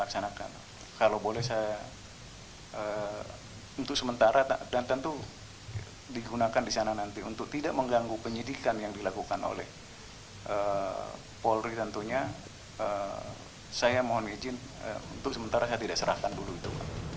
saya mohon izin untuk sementara saya tidak serahkan dulu itu